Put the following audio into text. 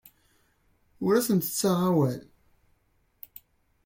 Ur asent-ttaɣeɣ awal.